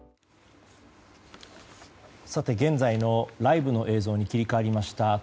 現在のライブの映像に切り替わりました。